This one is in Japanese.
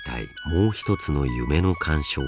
もう一つの夢の鑑賞法。